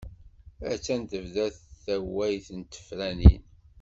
Attan tebda tawayt n tefranin.